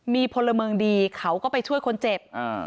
มีพลเมืองดีเขาก็ไปช่วยคนเจ็บ